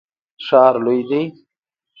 ښار لوی دی.